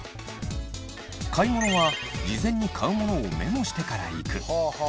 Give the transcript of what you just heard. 買い物は事前に買うものをメモしてから行く。